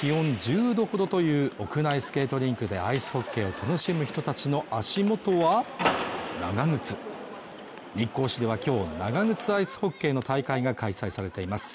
気温１０度ほどという屋内スケートリンクでアイスホッケーを楽しむ人たちの足元は長靴日光市では今日長靴アイスホッケーの大会が開催されています。